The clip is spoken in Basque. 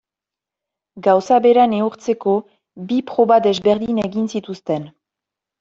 Gauza bera neurtzeko bi proba desberdin egin zituzten.